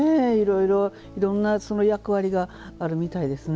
いろんな役割があるみたいですね。